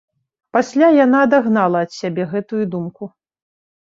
Пасля яна адагнала ад сябе гэтую думку.